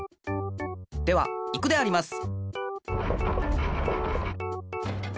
ではいくであります！